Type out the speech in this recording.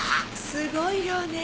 すごい量ね。